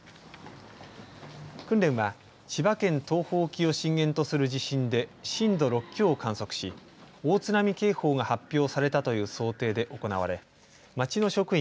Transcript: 訓練は、千葉県東方沖を震源とする地震で震度６強を観測し大津波警報が発表されたという想定で行われ町の職員